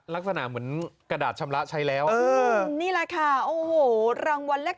ลักษณะเหมือนกระดาษชำระใช้แล้วนี่แหละค่ะโอ้โหรางวัลแรก